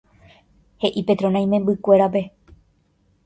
He'i Petrona imembykuérape.